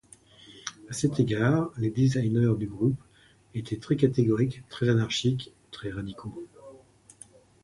À cet égard, les designers du groupe étaient très catégoriques, très anarchiques, très radicaux.